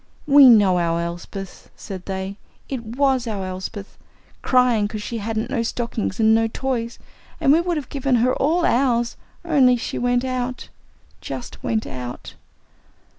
"We know our Elsbeth," said they. "It was our Elsbeth, cryin' 'cause she hadn't no stockin' an' no toys, and we would have given her all ours, only she went out jus' went out!"